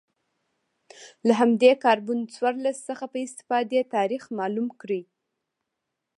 له همدې کاربن څوارلس څخه په استفادې تاریخ معلوم کړي